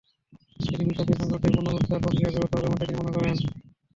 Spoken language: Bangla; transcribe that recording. এতে বিশ্ব অর্থনৈতিক সংকটের পুনরুদ্ধার-প্রক্রিয়া ব্যাহত হবে, এমনটাই তিনি মনে করেন।